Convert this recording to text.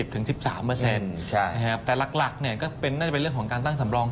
ถึง๑๓แต่หลักก็น่าจะเป็นเรื่องของการตั้งสำรอง